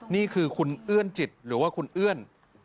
นี่คือคุณอื่นจิตหรือว่าคนอื่น